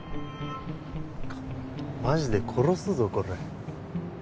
マジで殺すぞコラ。